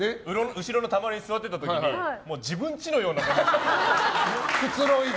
後ろのたまりに座っていた時にもう自分の家のような感じで。